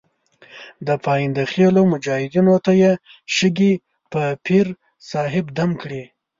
د پاینده خېلو مجاهدینو ته یې شګې په پیر صاحب دم کړې.